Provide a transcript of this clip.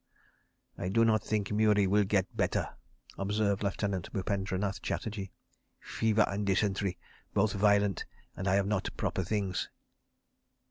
..." "I do not think Murie will get better," observed Lieutenant Bupendranath Chatterji. "Fever and dysentery, both violent, and I have not proper things.